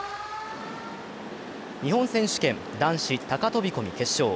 日本選手権、男子高飛込決勝。